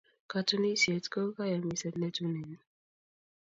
Katunisyet ko kayamiset ne tuneni.